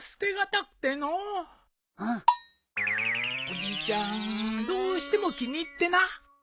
おじいちゃんどうしても気に入ってな。